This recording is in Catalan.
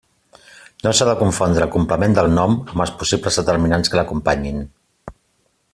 No s'ha de confondre el complement del nom amb els possibles determinants que l'acompanyin.